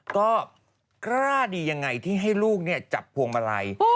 ก็กล้าดียังไงที่ให้ลูกจับพวงมาลัย